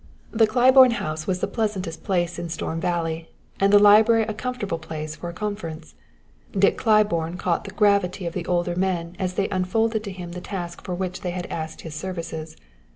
The Claiborne house was the pleasantest place in Storm Valley, and the library a comfortable place for a conference. Dick Claiborne caught the gravity of the older men as they unfolded to him the task for which they had asked his services.